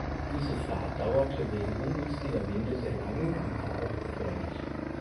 Diese Fahrt dauerte wegen ungünstiger Winde sehr lange und war auch gefährlich.